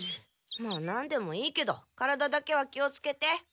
まあなんでもいいけど体だけは気をつけて。